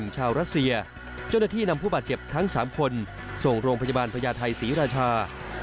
เจ็บทั้งสามคนส่งโรงพยาบาลพญาไทยศรีราชา